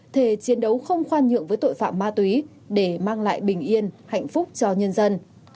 thể chiến đấu không khoan nhượng với tội phạm ma túy để mang lại bình yên hạnh phúc cho nhân dân